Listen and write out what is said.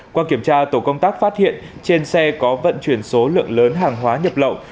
qua kiểm tra tổ công tác phát hiện trên xe có vận chuyển số lượng lớn hàng hóa nhập lậu